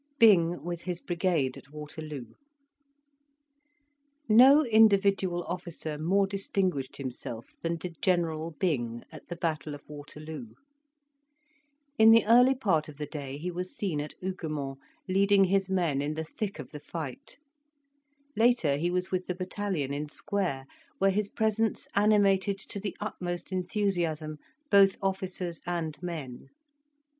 BYNG WITH HIS BRIGADE AT WATERLOO No individual officer more distinguished himself than did General Byng at the battle of Waterloo. In the early part of the day he was seen at Huguemont, leading his men in the thick of the fight; later he was with the battalion in square, where his presence animated to the utmost enthusiasm both officers and men.